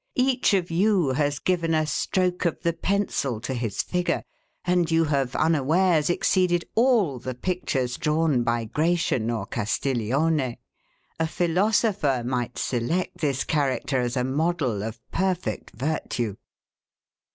Each of you has given a stroke of the pencil to his figure; and you have unawares exceeded all the pictures drawn by Gratian or Castiglione. A philosopher might select this character as a model of perfect virtue.